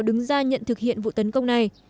đứng ra nhận thực hiện vụ tấn công này